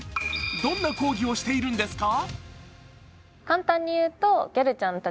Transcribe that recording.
どんな講義をしているんですか？